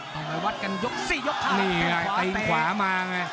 ต้องไปวัดกันยกสี่ยกข้าหลังข้างขวาเตรียมขวามาไง